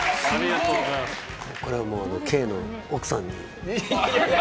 これはＫの奥さんに。